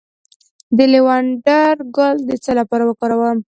د لیوانډر ګل د څه لپاره وکاروم؟